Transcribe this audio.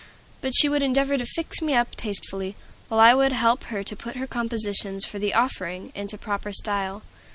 But she would endeavor to "fix me up" tastefully, while I would help her to put her compositions for the "Offering" into proper style.